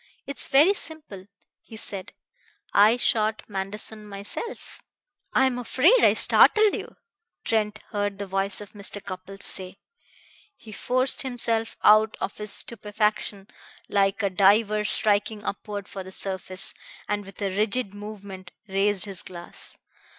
"It's very simple," he said. "I shot Manderson myself." "I am afraid I startled you," Trent heard the voice of Mr. Cupples say. He forced himself out of his stupefaction like a diver striking upward for the surface, and with a rigid movement raised his glass.